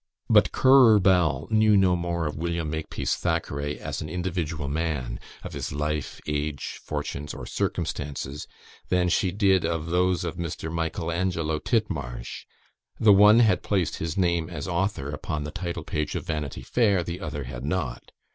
But Currer Bell knew no more of William Makepeace Thackeray as an individual man of his life, age, fortunes, or circumstances than she did of those of Mr. Michael Angelo Titmarsh. The one had placed his name as author upon the title page of Vanity Fair, the other had not.